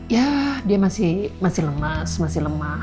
ya dia masih lemas masih lemah